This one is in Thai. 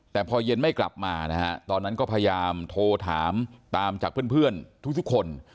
แต่พอเย็นไม่กลับมานะฮะตอนนั้นก็พยายามโทรถามตามจากเพื่อนทุกคน